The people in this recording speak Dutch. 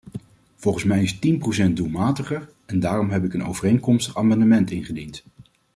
Volgens mij is tien procent doelmatiger, en daarom heb ik een overeenkomstig amendement ingediend.